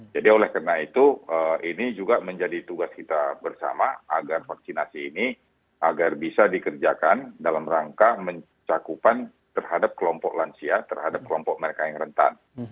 jadi oleh karena itu ini juga menjadi tugas kita bersama agar vaksinasi ini agar bisa dikerjakan dalam rangka mencakupan terhadap kelompok lansia terhadap kelompok mereka yang rentan